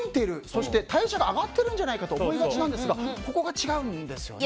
そして代謝が上がっているんじゃないかと思いがちなんですがここが違うんですよね。